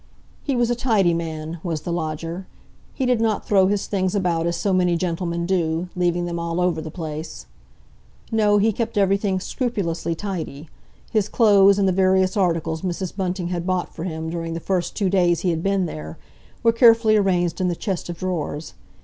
He was a tidy man, was the lodger; he did not throw his things about as so many gentlemen do, leaving them all over the place. No, he kept everything scrupulously tidy. His clothes, and the various articles Mrs. Bunting had bought for him during the first two days he had been there, were carefully arranged in the chest of drawers.